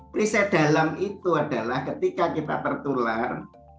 periset dalam itu adalah ketika kita tertular